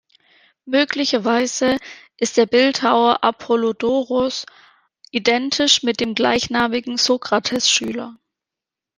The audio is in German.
Möglicherweise ist der Bildhauer Apollodoros identisch mit dem gleichnamigen Sokrates-Schüler.